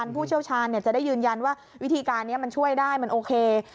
ผู้เชี่ยวชาญจะได้ยืนยันว่าวิธีการนี้มันช่วยได้มันโอเค